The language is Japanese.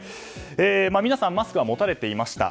皆さんマスクは持たれていました。